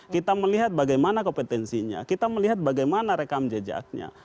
kita melihat bagaimana kompetensinya kita melihat bagaimana rekam jejaknya